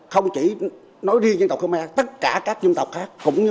không chỉ nói riêng dân tộc khơ me tất cả các dân tộc khác